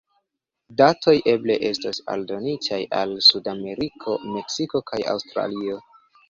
Datoj eble estos aldonitaj al Sudameriko, Meksiko kaj Aŭstralio.